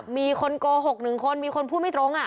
มีคนโกหก๑คนมีคนพูดไม่ตรง